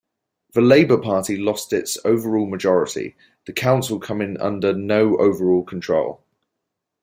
The Labour Party lost its overall majority, the council coming under no overall control.